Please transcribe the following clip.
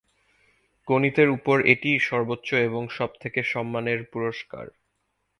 গণিতের উপর এটিই সর্বোচ্চ এবং সব থেকে সম্মানের পুরস্কার।